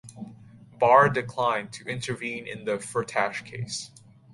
Barr declined to intervene in the Firtash case.